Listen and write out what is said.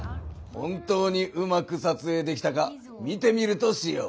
本当にうまく撮影できたか見てみるとしよう。